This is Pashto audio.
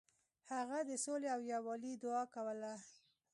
هغه د سولې او یووالي دعا کوله.